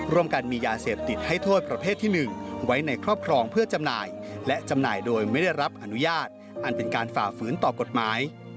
ร่วมกันมียาเสพติดให้โทษประเภทที่๑ไว้ในครอบครองเพื่อจำหน่ายและจำหน่ายโดยไม่ได้รับอนุญาตอันเป็นการฝ่าฝืนต่อกฎหมาย